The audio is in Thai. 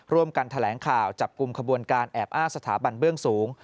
ร่วมกันแถลงข่าวจับกลุ่มขบวนการแอบอ้างสถาบันเบื้องสูง